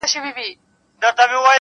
• شیخ پیودلی د ریا تار په تسبو دی,